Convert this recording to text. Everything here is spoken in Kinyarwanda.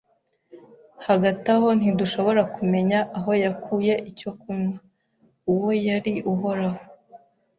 Hagati aho, ntidushobora kumenya aho yakuye icyo kunywa. Uwo yari Uhoraho